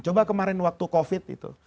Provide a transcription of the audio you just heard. coba kemarin waktu covid itu